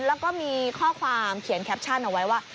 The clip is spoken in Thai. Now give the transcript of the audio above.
แล้วก็มีข้อความเขียนแคปชั่นเอาไว้ว่า